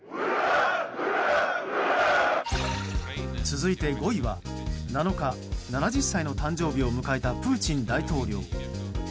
続いて５位は７日、７０歳の誕生日を迎えたプーチン大統領。